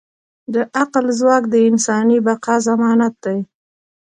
د عقل ځواک د انساني بقا ضمانت دی.